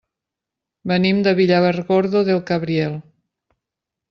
Venim de Villargordo del Cabriel.